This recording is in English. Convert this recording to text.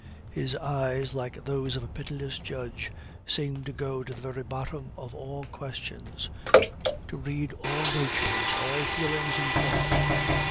His eyes, like those of a pitiless judge, seemed to go to the very bottom of all questions, to read all natures, all feelings and thoughts.